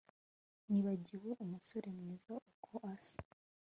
Nibagiwe umusore mwiza uko asa